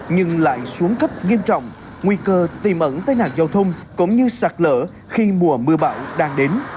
nhưng lại xuống cấp nghiêm trọng nguy cơ tìm ẩn tai nạn giao thông cũng như sạt lở khi mùa mưa bão đang đến